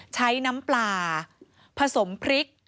น้ำปลาผสมพริก